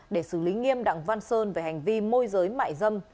để xử lý nghiêm đặng văn sơn về hành vi môi giới mại dâm